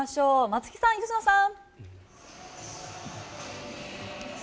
松木さん、吉野さん。